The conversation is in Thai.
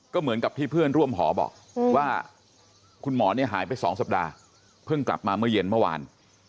ก็เหมือนกับที่เพื่อนร่วมหอบอกว่าคุณหมอเนี่ยหายไป๒สัปดาห์เพิ่งกลับมาเมื่อเย็นเมื่อวาน